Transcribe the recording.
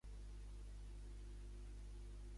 Això no és dir que ni hi va haver canvis al sector agrari.